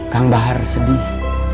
kang bahar sedih